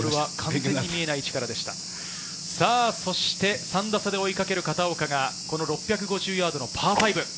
そして３打差で追いかける片岡が６５０ヤードのパー５。